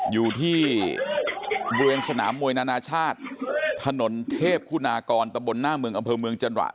อยู่ที่บริเวณสนามมวยนานาชาติถนนเทพคุณากรตะบนหน้าเมืองอำเภอเมืองจันระ